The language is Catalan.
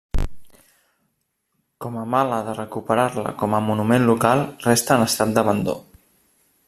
Comamala de recuperar-la com a monument local, resta en estat d'abandó.